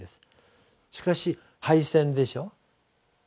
しかし敗戦でしょ。